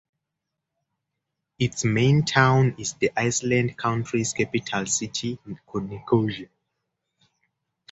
Its main town is the island country's capital city, Nicosia.